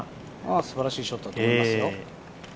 すばらしいショットだと思いますよ。